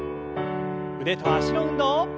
腕と脚の運動。